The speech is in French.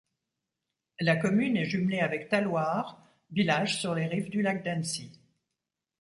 La commune est jumelée avec Talloires, village sur les rives du lac d'Annecy.